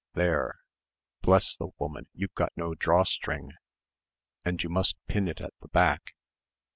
There.... Bless the woman, you've got no drawstring! And you must pin it at the back!